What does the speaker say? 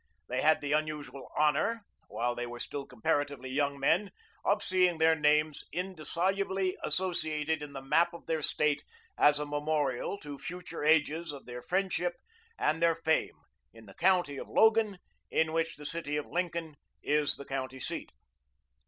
They had the unusual honor, while they were still comparatively young men, of seeing their names indissolubly associated in the map of their State as a memorial to future ages of their friendship and their fame, in the county of Logan, of which the city of Lincoln is the county seat.